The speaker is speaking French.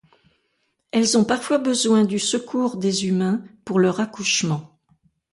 Elles ont parfois besoin du secours des humains pour leur accouchement.